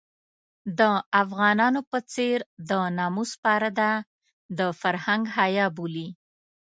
د افغانانو په څېر د ناموس پرده د فرهنګ حيا بولي.